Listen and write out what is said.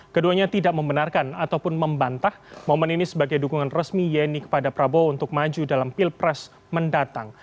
keduanya tidak membenarkan ataupun membantah momen ini sebagai dukungan resmi yeni kepada prabowo untuk maju dalam pilpres mendatang